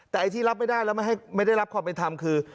แต่ไอ้ที่รับไม่ได้แล้วไม่ได้รับความเป็นธรรมคือ